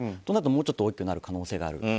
となるともうちょっと大きくなる可能性がある。